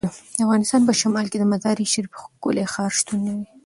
د افغانستان په شمال کې د مزارشریف ښکلی ښار شتون لري.